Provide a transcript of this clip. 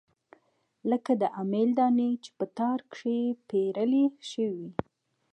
لکه د امېل دانې چې پۀ تار کښې پېرلے شوي وي